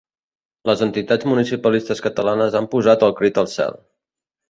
Les entitats municipalistes catalanes han posat el crit al cel.